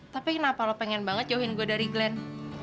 tapi kenapa lo pengen banget join gue dari glenn